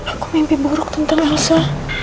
aku mimpi buruk tentang hasa